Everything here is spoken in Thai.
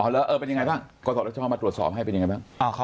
อ๋อแล้วเป็นยังไงบ้างก่อนขอรับชอบมาตรวจสอบให้เป็นยังไงบ้าง